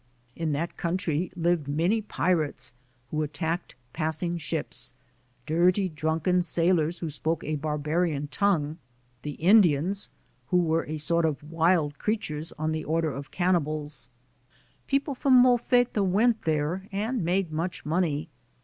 In that country lived many pirates who attacked passing ships; dirty drunken sailors who spoke a barbarian tongue; the Indians, who were a sort of wild creatures on the order of AMERICA 65 cannibals. People from Molfetta went there and made much money.